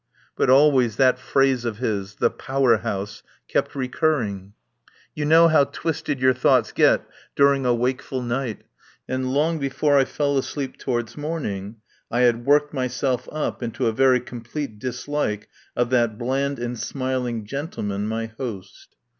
But always that phrase of his, the "Power House," kept recurring. You know how twisted your thoughts get during a wakeful 81 THE POWER HOUSE night, and long before I fell asleep towards morning I had worked myself up into a very complete dislike of that bland and smiling gentleman, my host.